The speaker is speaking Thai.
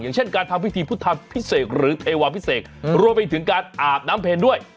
อย่างเช่นการทำพิธีพุทธธรรมพิเศษหรือเทวาพิเศษรวมไปถึงการอาบน้ำเพลงด้วย